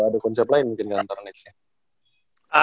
atau ada konsep lain mungkin ya ntar nextnya